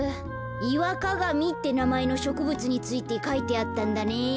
イワカガミってなまえのしょくぶつについてかいてあったんだね。